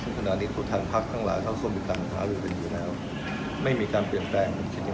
คนอ่านถ้าเพราะงานพระร้ายทวงหมายนะคะเพราะตัำนานที่เคียงของคุณคุณเดิม